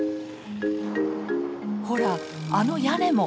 ほらあの屋根も。